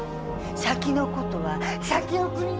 先のことは先送り。